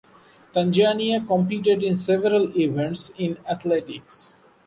Tanzania competed in several events in athletics.